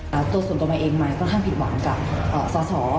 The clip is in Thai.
ตัวส่วนตัวเองมันค่อนข้างผิดหวังกับสาธารณ์สอบ